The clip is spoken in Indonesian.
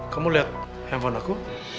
kamu liat handphone aku